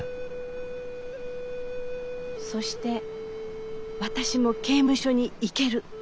そして私も刑務所に行ける。